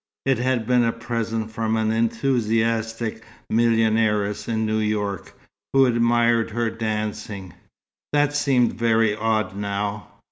It had been a present from an enthusiastic millionairess in New York, who admired her dancing. That seemed very odd now.